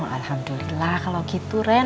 alhamdulillah kalau gitu ren